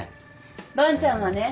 伴ちゃんはね